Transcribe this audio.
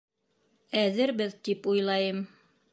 Әҙербеҙ, тип уйлайым.